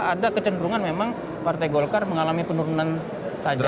ada kecenderungan memang partai golkar mengalami penurunan tajam